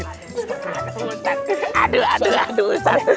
ustaz aduh aduh aduh ustaz